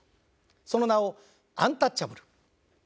その名をアンタッチャブル。